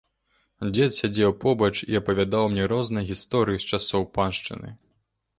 Дзед сядзеў побач і апавядаў мне розныя гісторыі з часоў паншчыны.